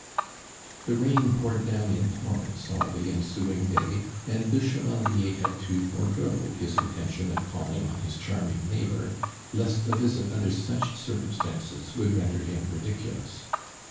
The rain poiued down in torrents all the ensuing day, and de Chevandier had to forego his intention of calling on his charm ing neighbor, lest a visit under such cir cumstances would render him ridiculous.